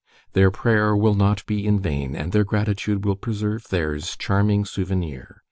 Their prayer will not be in vain, and their gratitude will preserve theirs charming souvenir.